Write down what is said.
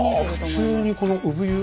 あ普通にこの産湯。